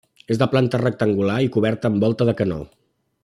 És de planta rectangular i coberta amb volta de canó.